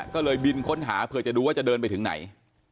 ก็เลยบินค้นหาเผื่อจะดูว่าจะเดินไปถึงไหน